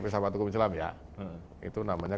pesawat tukang cilam ya itu namanya